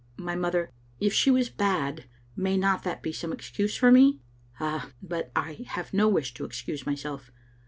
My mother — If she was bad, may not that be some excuse for me? Ah, but I have no wish to excuse my self.